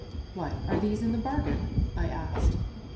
"What, are these in the bargain?" I asked.